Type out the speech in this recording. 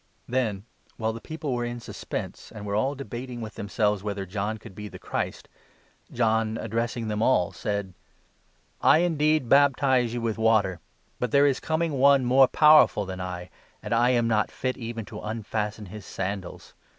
" Then, while the people were in suspense, and were all 15 debating with themselves whether John could be the Christ, John, addressing them all, said : 16 " I, indeed, baptize you with water ; but there is coming one more powerful than I, and I am not fit even to unfasten his sandals.